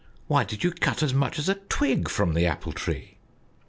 Why did you cut as much as a twig from the Apple Tree?"